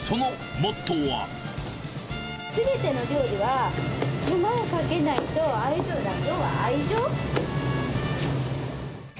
すべての料理は手間をかけないと、愛情、要は愛情。